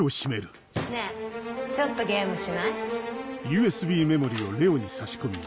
ねぇちょっとゲームしない？